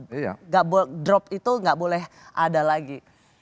mental drop itu gak boleh ada lagi